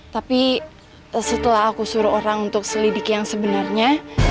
tapi setelah aku suruh orang untuk selidiki yang sebenernya